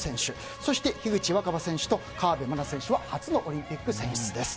そして樋口新葉選手と河辺愛菜選手は初のオリンピック選出です。